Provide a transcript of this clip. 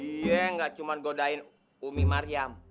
dia ga cuma godain umi maryam